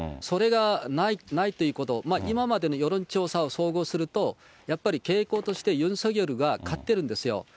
それがないということ、今までの世論調査を総合すると、やっぱり傾向として、ユン・ソギョルが勝ってるんですよ。